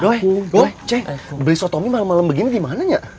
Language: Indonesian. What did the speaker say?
doi ceng beli sotomi malem malem begini dimana ya